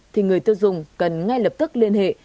thì người tiêu dùng cần ngay lập tức liên hệ